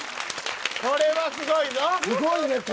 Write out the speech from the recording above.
これはすごいぞ。